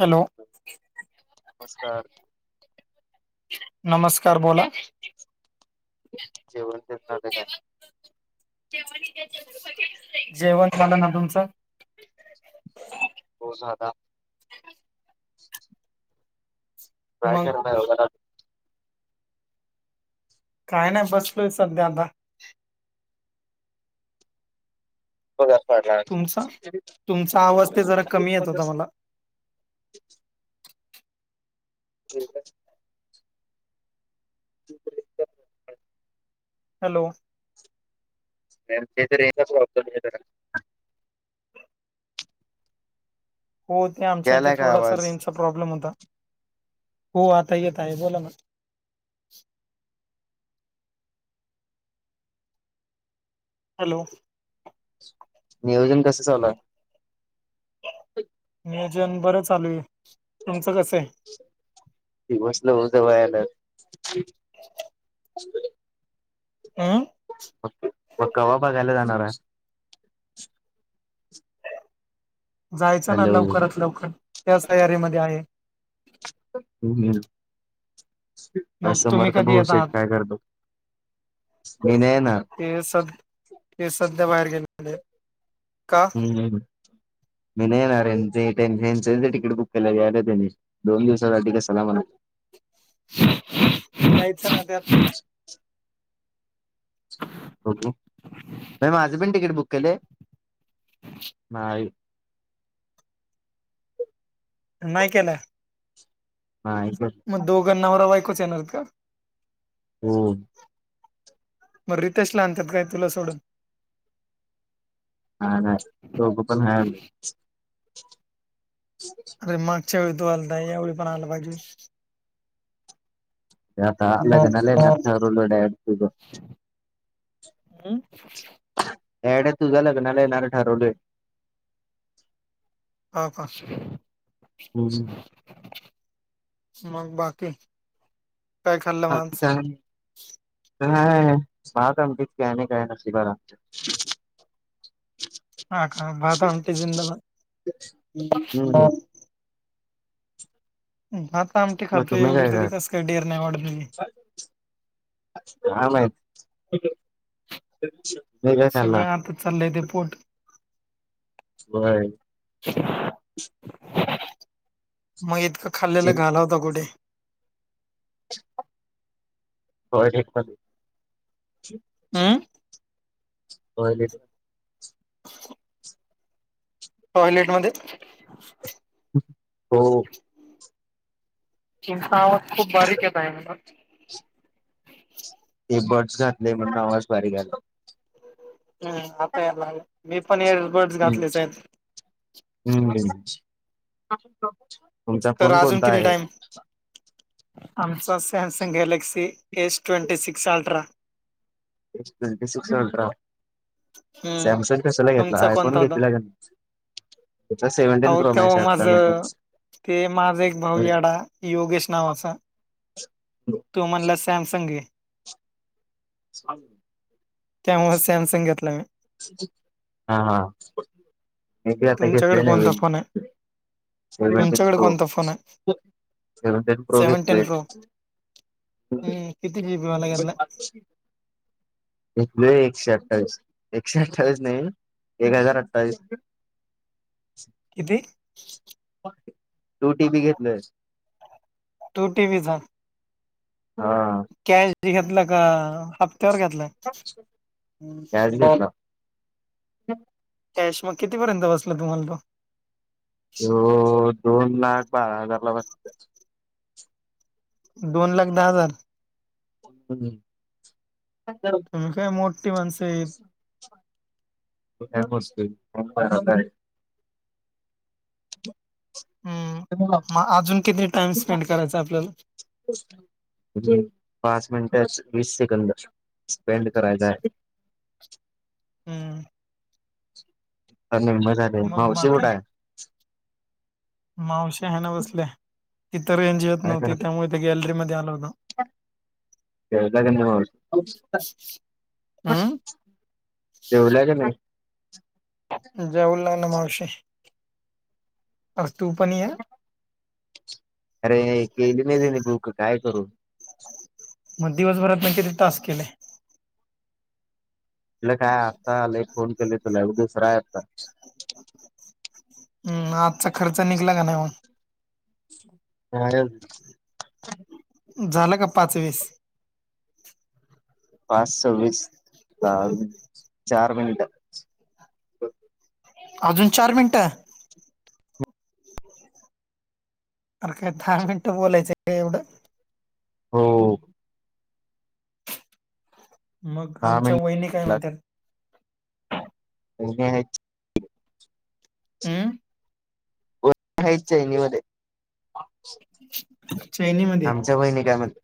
Hello. नमस्कार. नमस्कार बोला. जेवण तेन झाले का? जेवंत झालं ना. तुमचं? हो झालं. काय मग [unintelligible] काय नाही, बसलोय सध्या आता. [unintelligible] पडला. तुमचा तुमचा आवाज ते जरा कमी येत होता मला. [unintelligible] हॅलो. आमच्या इथे रेंज चा प्रॉब्लेम आहे जरा. हो ते आमच्या इथे यालाय का थोडासा आवाज? रेंजचा प्रॉब्लेम होता, हो आता येत आहे बोला ना. हॅलो. नियोजन कसं चालूये? [inaudible] नियोजन बरं चालूये, तुमचं कसं आहे? [unintelligible] [inaudible] अं. म कवा बघायला जाणारा? जायचं ना हॅलो लवकरात लवकर, त्याच तयारीमध्ये आहे. हम हम. मग तुम्ही समर्थ कधी येत भाऊंशेठ आहात काय करतो, मी नाही येणार. ते सध्या ते सध्या बाहेर गेले. हम् मी नाहीणार ते तेंच तिकीट बुक केल्याला. [unintelligible] दोन दिवसासाठी कसाला म्हणा. यायच ना त्यात [inaudible] [inaudible] क माझ पण तिकीट बुक केलेय? नाही नाही केलय नाही मग दोघां नवरा बायकोच येणारयेत का? हो. म रितेशला आणतात काय तुला सोडून? हा ना, दोघं पण हरलेत. अरे मागच्या वेळी तू आलता, यावेळी पण आला पाहिजे. आता लगान आले ना? [unintelligible] हम्म. येड्या तुझ्या लग्नाला येणारंये ठरवलंय. हा का? हम. मंग बाकी? काय खाल्लं मग बाकी आज? कायं नाहीं बांत आहे कायं आमचे नशिबांला [unintelligible] हां कां भातं आमटी झिंदाबाद बां हम्म भातं आमटी मग तुम्ही खातोएवढी काय कराल तरी कसं कायं ढेरी नाहीं वाढलेली कायं माहितं तुम्हीं कायं खांल्ला चालले ते पोट होयं मंग इतकं खांल्लेला जिम घालवंता कुंठे ऑडिट पणं हम्मं बोलडिड टॉयलेट मध्यें हो तुमचां आवांज खूपचं बारीक येतं आहे म्हणलं हेअ बर्डस घातले म्हणूंन आवांज बारीक आंला हम्मं आंता यांयला लागलां मी पणं हेड बर्डस घातलेच आहेतं हम्मं तुमचां फोन कोणंता आहे आमचां Samsung Galaxy S twenty six ultra टवेटी, सिक्स अल्ट्रा हम्म सॅमसंग कश्या ले घेतला तुमचा आयफोन कोणता होता? घेतलेला कां नाहीं अहो तेंव्हा माझं नवीन ते माझे एक भाऊ येडां योगेश नावांचा तो म्हणला सॅमसंग घे सा, ब [unintelligible] त्यांमुळें सॅमसंग घेतलां मी हां हां हे कायं आंता तुमच्याकडे घेतले कोणता नवीन फोन आहे? सेवन तुमच्याकडे एक्सप्रो, कोणता फोन आहे? त्यांने एक्सप्रोस घेतले हं किती जीभीवालां घेतलां [unintelligible] घेतलां एकशे अठ्ठावीस एकशे अठ्ठावीस नाहीं एक हजांर अठ्ठावीस किती टू टी बी घेतलंय टू टी विझां हां कॅशन, घेतलां कां हप्त्यांवर घेतलां कॅश घेतलां कॅश मंग कितीपर्यंत बसलां तुम्हांला तो तो दोन लाख बारा हजांर लां बसलां दोन लाख दहा हजांर हां हजांर तुम्ही काय मोठी माणसं आहेत. कायं बसली पंप राधा आहे हम्मं मंग अजूंन किती टाईम स्पेंड करायंचा आपल्यांला पांच मिनिटे वीस सेकंद स्पेंड करायचा आहे हम्मं आज मुंबई जाते, मग मावशी बाकी कुठ हाय? मावशी हाय नव्ह बसलीया, इचलकरं येत काय नव्हते करायल्या त्यामुळे ते गॅलरीमध्ये आलं होतो. खेळता की नाही वर? हम्म जेवल्या का नाही? जेवल्या ना मावशी, तू पण ये ह. अरे केली नाही रे, बुक काय करू? मग दिवसभरात किती टास्क केले? आपलं कायं, आत्ता आलंय फोन केले तुला दुसरं हाय आता. हम्मं, आजचां खर्च निघला कां नाहीं मगं? नाही अजून. झालं कां पांच, वीस? पांच -सव्वीस झालं, चार मिनिटं अजूंन चार मिनिटं? अर काय दहा मिनिटं बोलायचं एवढं? हो. मगं, दहा आमच्या वैहिनी कायं मिनिट म्हणत्यांत? वाहिनी आहेत हम्म हायत चैनी मध्ये. चैनी मंध्ये. आमच्या वाहिनी कांय म्हणत्यात?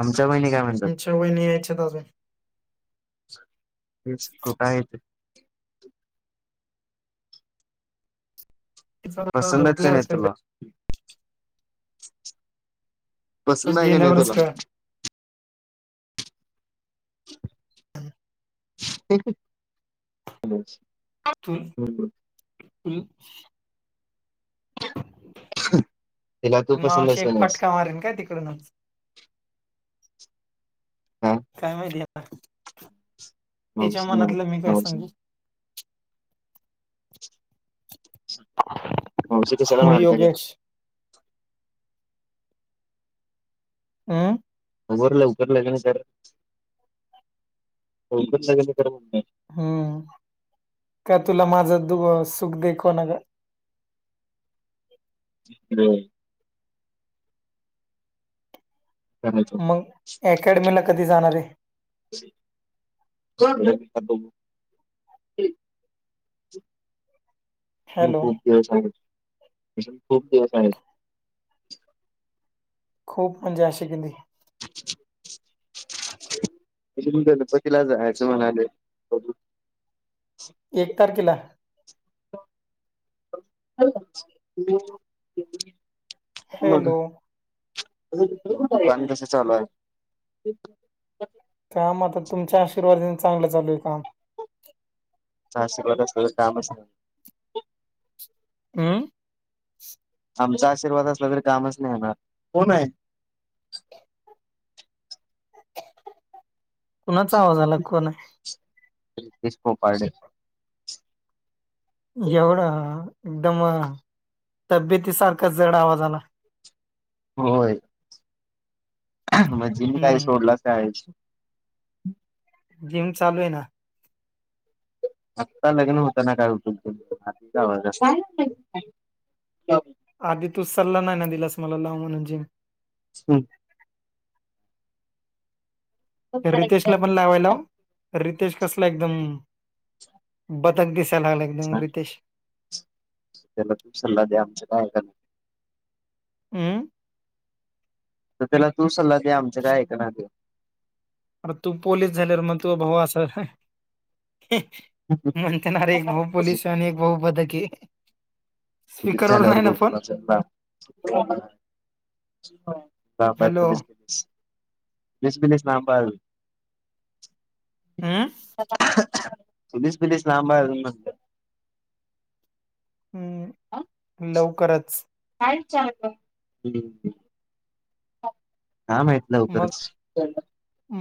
आमच्या वहिनी कायं म्हणतात? आमच्या वहिनी यायच्यात अजून तेच कुठं हायेत. तिथं पसंदचं झोपल्या हांय असतील तुला. त्या पसंद आहे की नाहीं गेल्यावरच तुला? कळल [unintelligible] [unintelligible] [unintelligible] तिला तू पसंत मावशी आहेस का एक, नाहीस फटकां मारिन काय तीकडन? हम्मं. कायं माहिती आता, तिच्यां मावशी नाही मनातलं मी कायं मावशी सांगू? नाही आमच्या तिथं मग मारती लई. योगेश हम्मं. लवकर लग्नं कर, लवकर लग्नं कर म्हटलं. हम्मं, कां तुला माझं दु -सुख देखवना गं. हम्मं. करायचं मगं, अकॅडमीला कधीं जाणारं हेय? कोण आणलाय? [unintelligible] आणि हॅलो खूंप दिवस आहे, खूंप दिवस आहेत. खूंप म्हणजे अशी किती? [unintelligible] तरी पण गणपतीलां जायचं म्हणालोय. एक तारखीला? [unintelligible] मगं हॅलो आलाकां [unintelligible] गाणं कसं चालूं आहे कामं आता, तुमच्यां आशीर्वादाने चांगलं चालूं आहे कामं. आमच्या आशिर्वाद असंन कामंच आहे. हं. आमचा आशीर्वाद असला तरी कामंच नाहीं होणार. कोणं हाय? कुणाचा आवाज आला, कोण आहे? लगीच [unintelligible] एवढं एकदम तब्येतीसारखा जड आवाज आला. होय. म्हणजे मी कायं हम्म सोडल कायं. [unintelligible] जिम चालूं आहे ना. आत्ता लग्नं होतांना कायं उठलं आचावाजा [unintelligible] आधी तू सल्ला नाहीं ना दिलास मला, लाव म्हणून जिम. [inaudible] रितेश ला पण लावाय लाव, रितेश कसला एकदम- बदक दिसाय लागलाय, एकदम सांग रितेश. त्याला तूप सल्ला द्या आमच्या कायका [unintelligible] अ [unintelligible] तर त्याला तू सल्ला दे, आमच्या काय ऐकणा त्यो. अरे तू पोलीस झाल्यावर मग तू भाऊ असा- म्हणते‌ ना रे, एक भाऊ पोलिस आणि एक भाऊ बदके. झाल्यावर ग [unintelligible] हॅलो [unintelligible] बस्मिलि इस्लामबांद हम्म [unintelligible] [unintelligible] हं, लवकरच. काय [unintelligible] हा माहित मग लवकरच.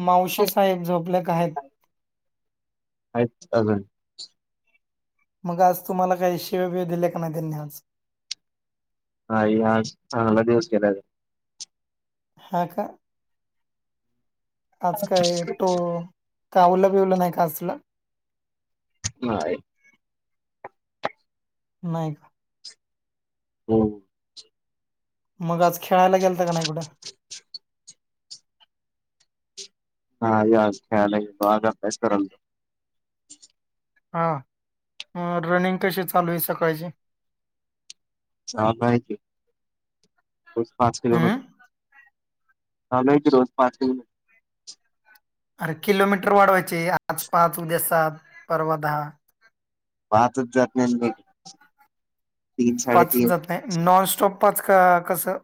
मावशी, साहेब झोपले का आहेत? [inaudible] आहेतच अजून. मग आज तुम्हाला काय शिवी- बिवी दिली का नाही, त्यांनी आज? नाही, आज चांगला दिवस गेलाय. हा का? आज काय तो, चावलं, बिवलं नाही काजला [unintelligible] नाय. नाही का? [unintelligible] मग आज खेळायला गेलता का नाही कुठं? नाही, आज खेळायला [unintelligible] ये बाग अभ्यास करालतो. हा, हा, रनिंग कशी चालू आहे सकाळची? चालू आहे की, रोज पाच हम्म किलोमीटर. चालू आहे की, रोज पाच किलोमीटर. अरे किलोमीटर वाढवायचे, आज पाच, उद्या सात, परवा दहा. पाचच जात नाही [unintelligible] तीन पांच साडेतीन चजांत नाहीं नॉनस्टॉप पांच कां कसं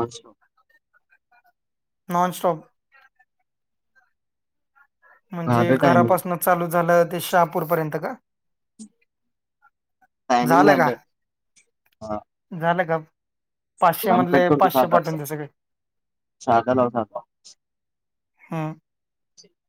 अच्छा नॉनस्टॉप म्हणजे झालं टायमिंग घरांपासून चालूं झालं ते शहांपूर पर्यंत कां झालं कां हा झालं कां पाचशे आम कट म्हटले करतो पाचशे साधा पाटंचे सगळें साधा लाव साधा हम्मं [inaudible] [unintelligible]